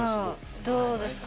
どうですか？